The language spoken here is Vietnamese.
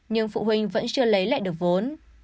nhưng phụ huynh vẫn chưa lấy lại được vốn